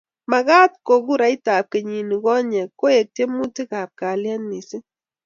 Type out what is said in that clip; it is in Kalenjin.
magaat ko kuraitab kenyit negonye koek tyemutikab kalyet mising